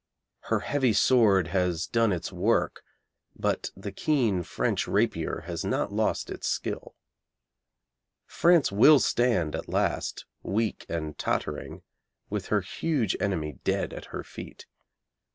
Her heavy sword has done its work, but the keen French rapier has not lost its skill. France will stand at last, weak and tottering, with her huge enemy dead at her feet.